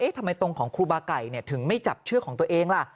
เอ๊ะทำไมตรงของครูบาไก่เนี่ยถึงไม่จับเชือกของตัวเองล่ะ